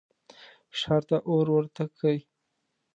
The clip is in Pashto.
ښار ته اور ورته کئ.